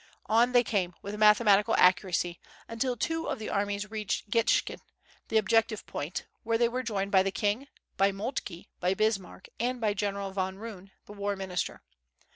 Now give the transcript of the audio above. On they came, with mathematical accuracy, until two of the armies reached Gitschin, the objective point, where they were joined by the king, by Moltke, by Bismarck, and by General von Roon, the war minister.